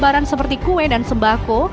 barang seperti kue dan sembako